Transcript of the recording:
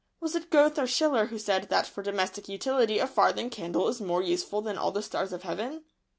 Was it Goethe or Schiller who said that for domestic utility a farthing candle is more useful than all the stars of heaven?